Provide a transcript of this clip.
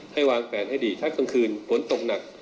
วางแผนให้ดีถ้ากลางคืนฝนตกหนัก